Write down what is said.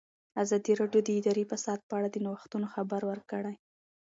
ازادي راډیو د اداري فساد په اړه د نوښتونو خبر ورکړی.